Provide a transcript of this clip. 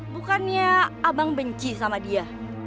bukannya abang benci sama dia